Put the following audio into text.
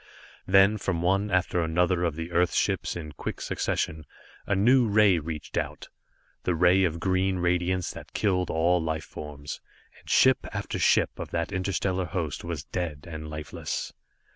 Then from one after another of the Earth ships, in quick succession, a new ray reached out the ray of green radiance that killed all life forms, and ship after ship of that interstellar host was dead and lifeless.